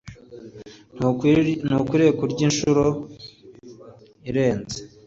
Ntukwiriye kurya inshuro zirenze